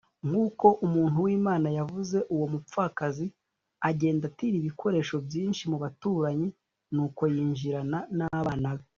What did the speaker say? Nk’uko umuntu w’Imana yavuze uwo mupfakazi agenda atira ibikoresho byinshi mu baturanyi nuko yinjirana n’abana be.